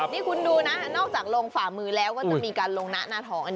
นี่คุณดูนะนอกจากลงฝ่ามือแล้วก็จะมีการลงหน้าหน้าทอง